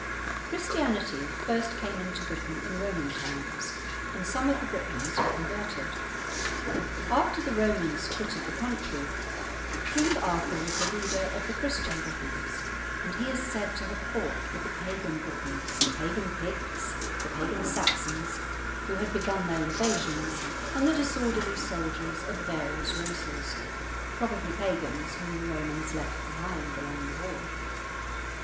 Christianity first came into Britain in Roman times, and some of the Britons were converted. After the Romans quitted the country, King Arthur was the leader of the Christian Britons, and he is said to have fought with the pagan Britons, the pagan Picts, the pagan Saxons, who had begun their invasions, and the disorderly soldiers of various races, probably pagans whom the Romans left behind along the wall.